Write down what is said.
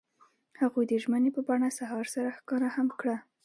هغوی د ژمنې په بڼه سهار سره ښکاره هم کړه.